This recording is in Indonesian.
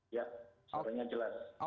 ya suaranya jelas